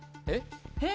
えっ。